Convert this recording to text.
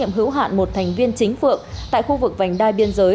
một thành viên chính phượng tại khu vực vành đai biên giới